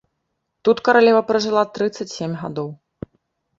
Тут каралева пражыла трыццаць сем гадоў.